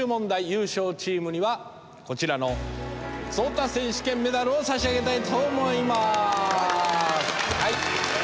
優勝チームにはこちらの鉄オタ選手権メダルを差し上げたいと思います！